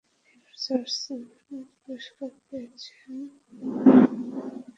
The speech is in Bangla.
এবার জর্জ সিমেল পুরস্কার পেয়েছেন মেলবোর্ন বিশ্ববিদ্যালয়ের সমাজ মনোবিজ্ঞানের অধ্যাপক গ্যারি রবিনস।